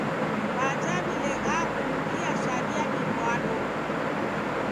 W'aja w'ileghaa kunughia sharia w'iw'ado.